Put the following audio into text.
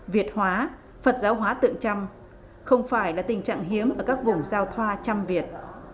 việt hóa phật giáo hóa tượng trăm không phải là tình trạng hiếm ở các vùng giao thoa trăm việt